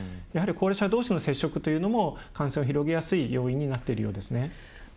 やはり、高齢者どうしの接触というのも感染を広げやすい原因となっているようですね。